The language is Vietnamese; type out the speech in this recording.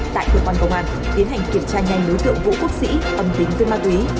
tại cơ quan công an tiến hành kiểm tra nhanh đối tượng vũ quốc sĩ âm tính với ma túy